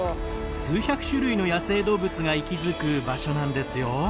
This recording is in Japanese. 数百種類の野生動物が息づく場所なんですよ。